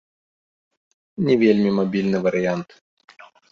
Не вельмі мабільны варыянт.